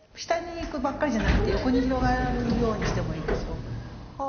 下に行くばっかりじゃなくて横に広がるようにしてもいいですよ。